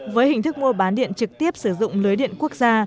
với hình thức mua bán điện trực tiếp sử dụng lưới điện quốc gia